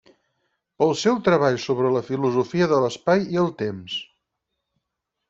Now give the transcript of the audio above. Pel seu treball sobre la Filosofia de l'espai i el temps.